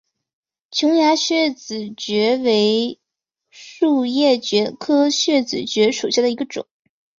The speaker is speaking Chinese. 琼崖穴子蕨为禾叶蕨科穴子蕨属下的一个种。